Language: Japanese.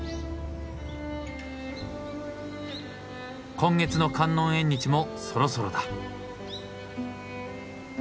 今月の観音縁日もそろそろだ。